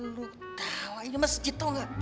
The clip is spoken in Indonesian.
lu dalah ini masjid tau gak